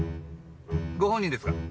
ご本人ですか？